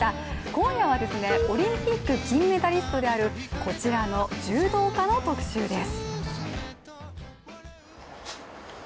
今夜はオリンピックの金メダリストであるこちらの柔道家の特集です。